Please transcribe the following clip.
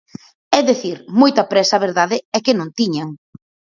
É dicir, moita présa a verdade é que non tiñan.